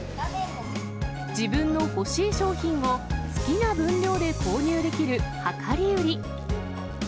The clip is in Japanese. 自分の欲しい商品を好きな分量で購入できる量り売り。